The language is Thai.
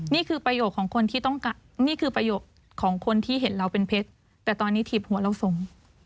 นี่คือประโยคของคนที่เห็นเราเป็นเพชรแต่ตอนนี้ถีบหัวเราทรง